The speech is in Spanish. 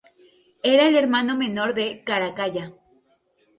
Era el hermano menor de Caracalla.